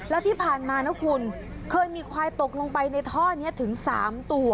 แล้วที่ผ่านมานะคุณเคยมีควายตกลงไปในท่อนี้ถึง๓ตัว